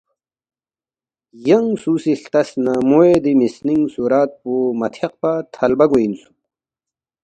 “ ینگ سُو سی ہلتس نہ موے دے مِسنِنگ صُورت پو مہ تھیاقپا تھلبہ گوے اِنسُوک